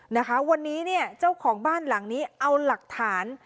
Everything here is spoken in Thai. นะคะวันนี้เนี่ยเจ้าของบ้านหลังนี้เอาหลักฐาน